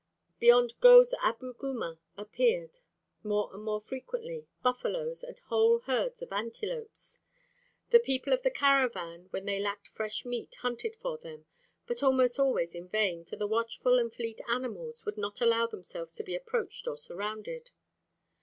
Beyond Gôz Abu Guma appeared, more and more frequently, buffaloes and whole herds of antelopes. The people of the caravan when they lacked fresh meat hunted for them, but almost always in vain, for the watchful and fleet animals would not allow themselves to be approached or surrounded.